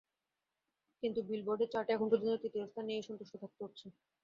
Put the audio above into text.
কিন্তু বিলবোর্ডের চার্টে এখন পর্যন্ত তৃতীয় স্থান নিয়েই সন্তুষ্ট থাকতে হচ্ছে।